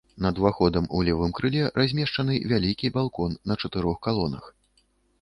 Над уваходам у левым крыле размешчаны вялікі балкон на чатырох калонах.